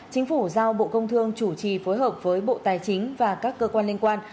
chính phủ giao bộ công thương chủ trì phối hợp với bộ tài chính và các cơ quan liên quan